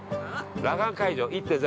裸眼解除１．０。